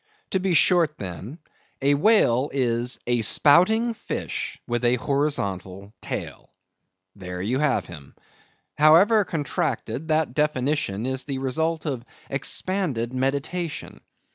To be short, then, a whale is a spouting fish with a horizontal tail. There you have him. However contracted, that definition is the result of expanded meditation.